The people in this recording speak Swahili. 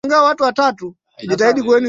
adabu sana na adabu Katika hali ngumu